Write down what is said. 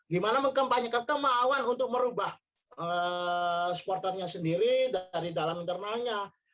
kampanye kampanye mawan untuk merubah supporternya sendiri dari dalam internanya